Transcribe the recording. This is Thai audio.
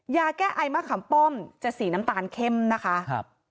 ยาแก้ไอมะขำป้อมจะสีน้ำตาลเข้มนะคะครับ